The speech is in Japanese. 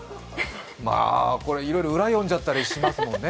いろいろ裏読んじゃったりしますもんね。